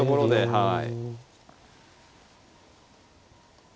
はい。